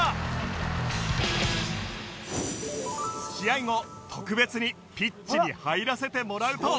試合後特別にピッチに入らせてもらうと